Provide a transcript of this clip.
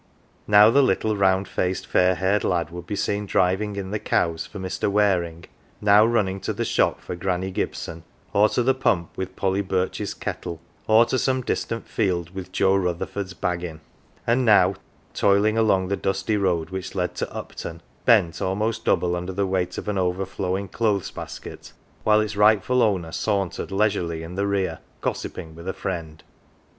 Now the little round faced, fair haired lad would l)e seen driving in the cows for Mr. Waring, now running to the shop for Granny 194 LITTLE PAUPERS Gibson, or to the pump with Polly Birches kettle, or to some distant field with Joe Rutherford's baggin'; and now toiling along the dusty road which led to Upton, bent almost double under the weight of an overflowing 195 LITTLE PAUPERS clothes basket, while its rightful owner sauntered leisurely in the rear, gossiping with a friend.